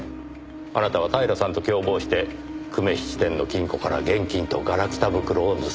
あなたは平さんと共謀して久米質店の金庫から現金とガラクタ袋を盗んだ。